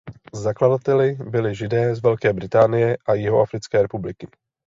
Zakladateli byli Židé z Velké Británie a Jihoafrické republiky.